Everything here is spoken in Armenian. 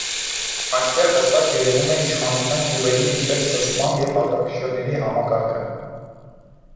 Այստեղ հստակ երևում է իշխանության ճյուղերի միջև զսպման և հակակշիռների համակարգը։